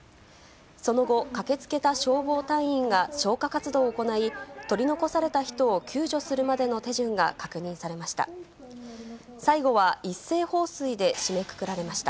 その後、駆けつけた消防隊員が消火活動を行い、取り残された人を救助するまでの手順が確認されました。